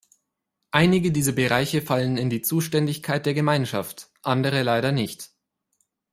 Einige dieser Bereiche fallen in die Zuständigkeit der Gemeinschaft, andere leider nicht.